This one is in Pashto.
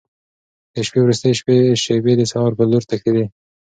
د شپې وروستۍ شېبې د سهار په لور تښتېدې.